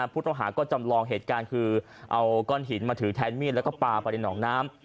ผู้ต้องหาก็จำลองเหตุการณ์คือเอาก้อนหินมาถือแทนมีดแล้วก็ปลาไปในหนองน้ำ